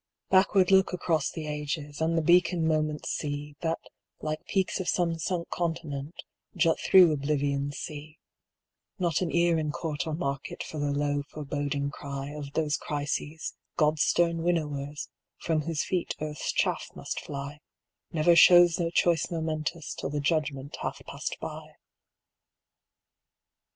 Backward look across the ages and the beacon moments see, That, like peaks of some sunk continent, jut through Oblivion's sea; Not an ear in court or market for the low foreboding cry Of those Crises, God's stern winnowers, from whose feet earth's chaff must fly; Never shows the choice momentous till the judgment hath passed by.